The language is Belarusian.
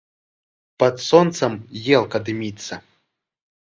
Пад сонцам елка дыміцца.